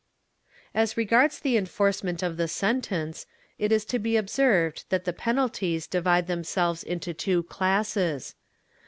As regards the enforcement of the sentence, it is to be observed that the penalties divide themselves into two classes.